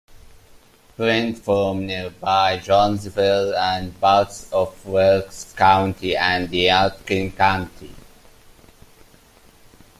Print from nearby Jonesville and parts of Wilkes County and Yadkin County.